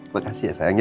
makasih ya sayang ya